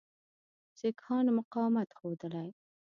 سیکهانو مقاومت ښودلی.